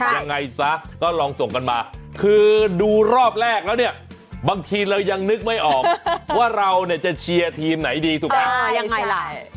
ยังไงซะก็ลองส่งกันมาคือดูรอบแรกแล้วเนี่ยบางทีเรายังนึกไม่ออกว่าเราเนี่ยจะเชียร์ทีมไหนดีถูกไหมยังไงล่ะ